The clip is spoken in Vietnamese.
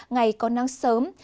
ngày có nắng sớm